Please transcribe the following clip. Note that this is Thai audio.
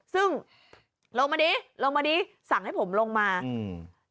ซึ่งลงมาดิลงมาดิสั่งให้ผมลงมาอืม